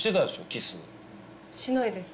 キスしないです